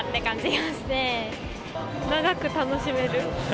長く楽しめる。